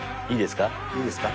いいですか？